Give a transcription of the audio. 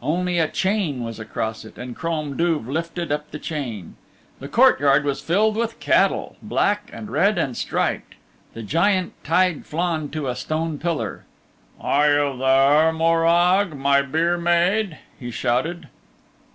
Only a chain was across it, and Crom Duv lifted up the chain. The courtyard was filled with cattle black and red and striped. The Giant tied Flann to a stone pillar. "Are you there, Morag, my byre maid?" he shouted.